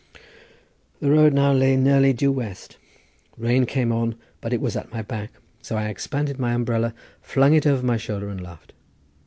The road now lay nearly due west. Rain came on, but it was at my back, so I expanded my umbrella, flung it over my shoulder and laughed.